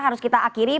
harus kita akhiri